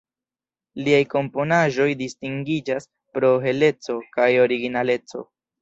Liaj komponaĵoj distingiĝas pro heleco kaj originaleco.